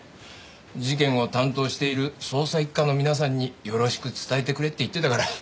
「事件を担当している捜査一課の皆さんによろしく伝えてくれ」って言ってたから。